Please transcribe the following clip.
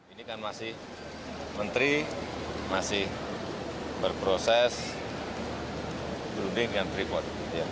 ini kan masih menteri masih berproses berunding dengan freeport